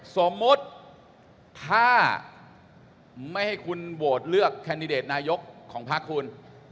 สมมุติถ้าไม่ให้คุณโหวตเลือกแคนดิเดตนายกของพักคุณ